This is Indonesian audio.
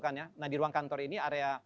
kan ya nah di ruang kantor ini area